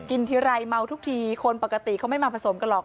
ทีไรเมาทุกทีคนปกติเขาไม่มาผสมกันหรอก